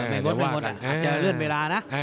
ไม่งดอาจจะเลื่อนเวลานะ